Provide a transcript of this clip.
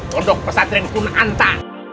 pondok pesantren kunanta